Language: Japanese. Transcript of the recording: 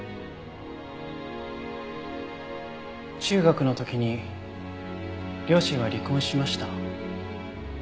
中学の時に両親は離婚しました。